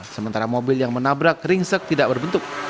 sementara mobil yang menabrak ringsek tidak berbentuk